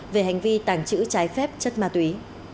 về hành vi tàng trữ trái phép chất ma túy